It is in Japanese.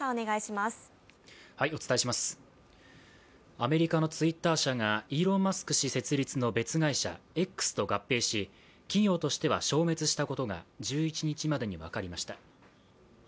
アメリカのＴｗｉｔｔｅｒ社がイーロン・マスク氏設立の別会社Ｘと合併し企業としては消滅したことが１１日までに分かりました。